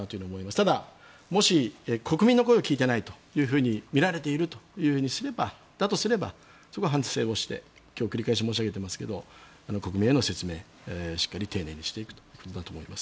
ただ、もし国民の声を聞いていないと見られているとすればそこは反省をして今日、繰り返し申し上げていますが国民への説明しっかり丁寧にしていくということだと思います。